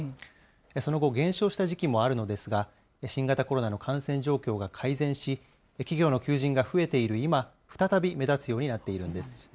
その後、減少した時期もあるのですが、新型コロナの感染状況が改善し、企業の求人が増えている今、再び目立つようになっているんです。